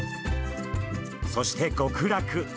そして、極楽。